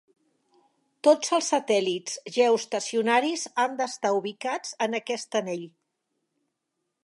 Tots els satèl·lits geoestacionaris han d'estar ubicats en aquest anell.